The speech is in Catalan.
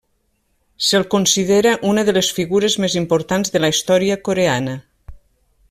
Se'l considera una de les figures més importants de la història coreana.